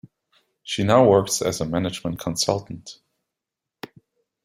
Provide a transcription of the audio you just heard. She now works as a management consultant.